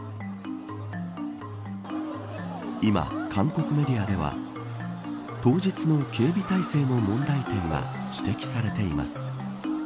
今、韓国メディアでは当日の警備体制の問題点が指摘されています。